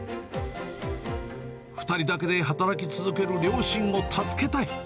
２人だけで働き続ける両親を助けたい。